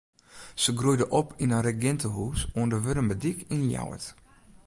Se groeide op yn in regintehûs oan de Wurdumerdyk yn Ljouwert.